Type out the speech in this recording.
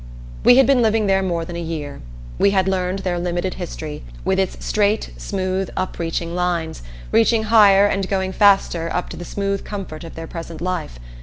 We had been living there more than a year. We had learned their limited history, with its straight, smooth, upreaching lines, reaching higher and going faster up to the smooth comfort of their present life.